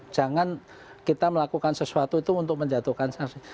jangan kita melakukan sesuatu itu untuk menjatuhkan sanksi